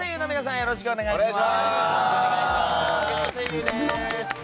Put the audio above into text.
よろしくお願いします！